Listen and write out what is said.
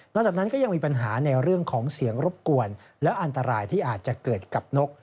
หลังจากนั้นก็ยังมีปัญหาในเรื่องของเสียงรบกวนและอันตรายที่อาจจะเกิดกับนก